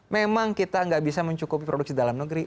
memang kita nggak bisa mencukupi produksi dalam negeri